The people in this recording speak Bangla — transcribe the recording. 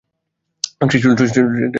ত্রিশূল দাড়ি কোথায়?